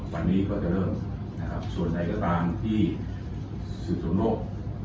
วันนี้ก็จะเริ่มส่วนใดก็ตามที่สวดส่วนโรค